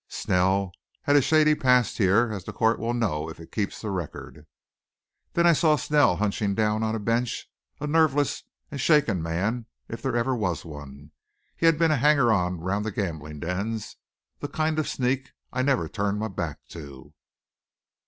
Snell had a shady past here, as the court will know if it keeps a record." Then I saw Snell hunching down on a bench, a nerveless and shaken man if there ever was one. He had been a hanger on round the gambling dens, the kind of sneak I never turned my back to.